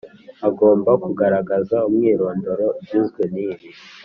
Agomba kugaragaza umwirondoro ugizwe n ibi